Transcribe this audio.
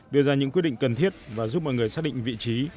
đưa ra những quyết định cần thiết và giúp mọi người xác định vị trí